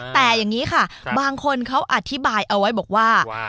แต่บางคนเขาอธิบายเอาไว้บอกว่า